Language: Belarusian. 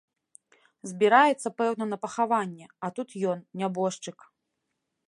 Збіраецца, пэўна, на пахаванне, а тут ён, нябожчык.